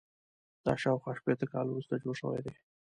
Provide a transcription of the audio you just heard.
دا شاوخوا شپېته کاله وروسته جوړ شوی دی.